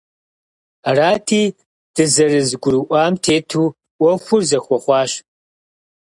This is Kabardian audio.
Арати, дызэрызэгурыӀуам тету Ӏуэхур зэхуэхъуащ.